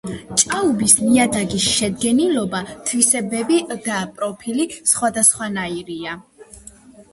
ჭაობის ნიადაგის შედგენილობა, თვისებები და პროფილი სხვადასხვანაირია.